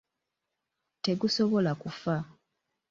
Tegusobola kufa.